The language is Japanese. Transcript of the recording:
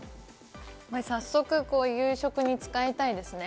早速、夕食に使いたいですね。